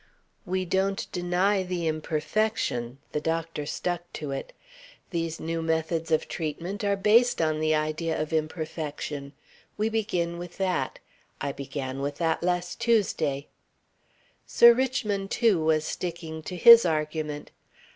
"We don't deny the imperfection" the doctor stuck to it. "These new methods of treatment are based on the idea of imperfection. We begin with that. I began with that last Tuesday...." Sir Richmond, too, was sticking to his argument.